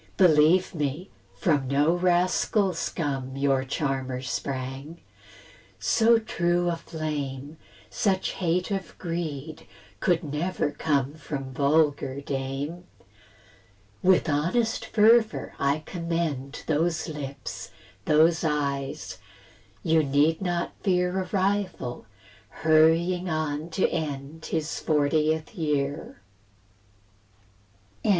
Believe me, from no rascal scum Your charmer sprang; so true a flame, Such hate of greed, could never come From vulgar dame. With honest fervour I commend Those lips, those eyes; you need not fear A rival, hurrying on to end His fortieth year. VI.